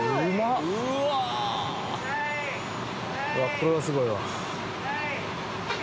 これはすごいわ。